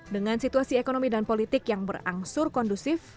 dengan situasi ekonomi dan politik yang berangsur kondusif